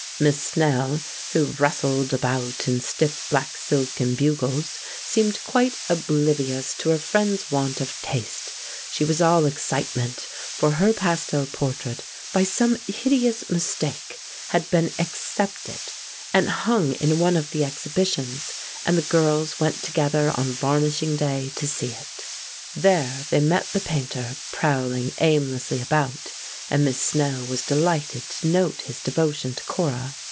Miss Snell, who rustled about in stiff black silk and bugles, seemed quite oblivious to her friend's want of taste; she was all excitement, for her pastel portrait by some hideous mistake had been accepted and hung in one of the exhibitions, and the girls went together on varnishing day to see it. There they met the Painter prowling aimlessly about, and Miss Snell was delighted to note his devotion to Cora.